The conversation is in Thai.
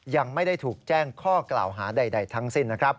ยังไม่ได้ถูกแจ้งข้อกล่าวหาใดทั้งสิ้นนะครับ